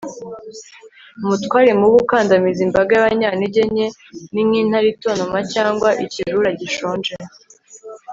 umutware mubi ukandamiza imbaga y'abanyantege nke, ni nk'intare itontoma cyangwa ikirura gishonje